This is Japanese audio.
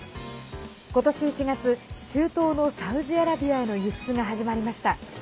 今年１月、中東のサウジアラビアへの輸出が始まりました。